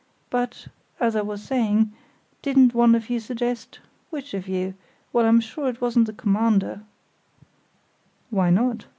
"But, as I was saying, didn't one of you suggest—which of you? Well, I'm sure it wasn't the Commander——" "Why not?"